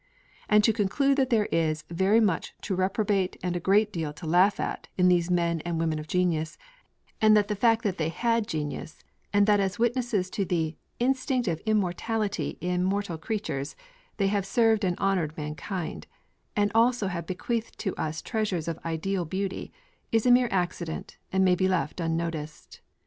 And to conclude that there is 'very much to reprobate and a great deal to laugh at' in these men and women of genius and that the fact that they had genius, and that as witnesses to the 'instinct of immortality in mortal creatures' they have served and honoured mankind, and also have bequeathed to us treasures of ideal beauty, is a mere accident, and may be left unnoticed.